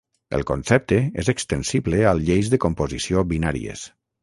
El concepte és extensible a lleis de composició binàries.